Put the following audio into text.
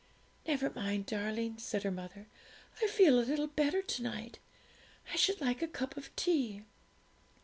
'Never mind, darling,' said her mother. 'I feel a little better to night. I should like a cup of tea.'